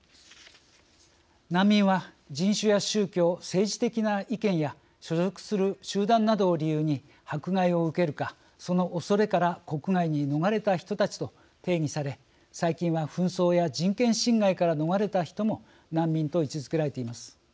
難民は、人種や宗教政治的な意見や所属する集団などを理由に迫害を受けるかそのおそれから国外に逃れた人たちと定義され最近は紛争や人権侵害から逃れた人も難民と位置づけられています。